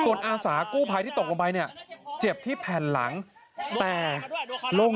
ส่วนอาสากู้ภัยที่ตกลงไปเนี่ยเจ็บที่แผ่นหลังแต่ลง